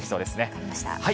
分かりました。